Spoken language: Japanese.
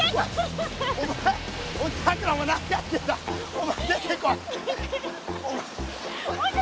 おまえ出てこい。